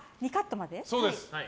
そうです。